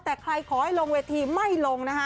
แต่ใครขอให้ลงเวทีไม่ลงนะคะ